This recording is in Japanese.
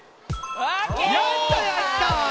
やったやった！